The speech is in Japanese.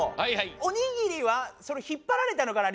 おにぎりはひっぱられたのかな？